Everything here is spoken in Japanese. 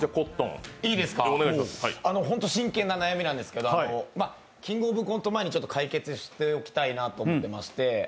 ホント真剣な悩みなんですけど、「キングオブコント」前に解決しておきたいなと思ってまして。